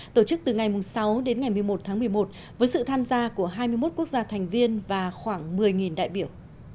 tổ chức từ ngày sáu đến ngày một mươi một tháng một mươi một với sự tham gia của hai mươi một quốc gia thành viên và khoảng một mươi đại biểu